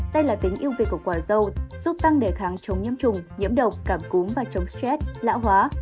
đây là tính yêu việt của quả dâu giúp tăng đề kháng chống nhiễm trùng nhiễm độc cảm cúm và chống stress lão hóa